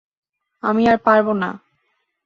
আমি আর পারব না।